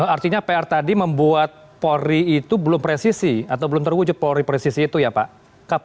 artinya pr tadi membuat polri itu belum presisi atau belum terwujud polri presisi itu ya pak